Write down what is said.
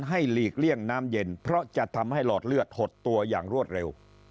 หลีกเลี่ยงน้ำเย็นเพราะจะทำให้หลอดเลือดหดตัวอย่างรวดเร็ว